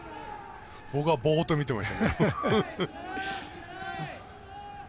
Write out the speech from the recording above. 僕はぼーっと見てました。